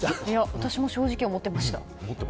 私も、正直思ってました。